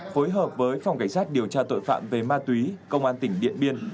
phối hợp với phòng cảnh sát điều tra tội phạm về ma túy công an tỉnh điện biên